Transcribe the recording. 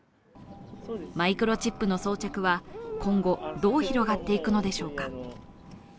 マイクロチップの装着は今後どう広がっていくのでしょうか。